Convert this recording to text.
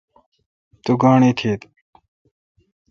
تو گاݨڈ ایتھت۔